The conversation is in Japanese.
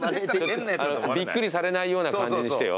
びっくりされないような感じにしてよ。